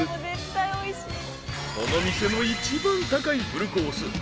［この店の一番高いフルコース。